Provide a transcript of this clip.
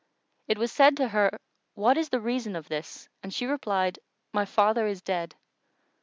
It was said to her, "What is the reason of this?"; and she replied, "My father is dead."